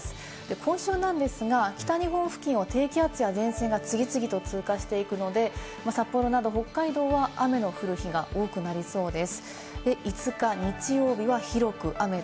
今週なんですが、北日本付近を低気圧や前線が次々と通過していくので、札幌など北海道は雨の降る日が多くなりそうです。